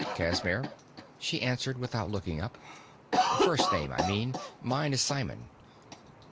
"Casimir," she answered, without looking up. "First name, I mean. Mine is Simon."